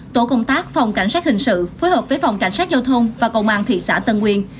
tổ công tác phòng cảnh sát hình sự phối hợp với phòng cảnh sát giao thông và công an thị xã tân nguyên